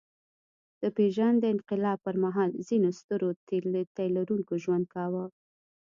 د پېژاند انقلاب پر مهال ځینو سترو تيلرونکي ژوند کاوه.